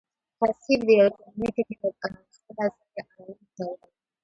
تصحیف د یوې کليمې ټکي له خپله ځایه اړولو ته وا يي.